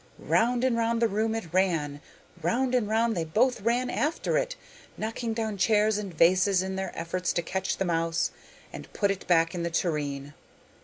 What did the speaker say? Round and round the room it ran, round and round they both ran after it, knocking down chairs and vases in their efforts to catch the mouse and put it back in the tureen.